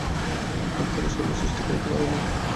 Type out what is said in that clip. প্রেতাত্মারা শরীর সৃষ্টি করিতে পারে না।